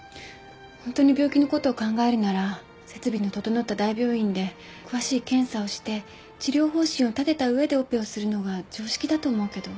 ホントに病気のことを考えるなら設備の整った大病院で詳しい検査をして治療方針を立てたうえでオペをするのが常識だと思うけど。